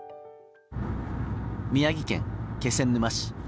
宮城県気仙沼市。